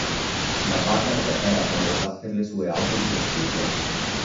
La Packard era famosa per le sue auto di prestigio.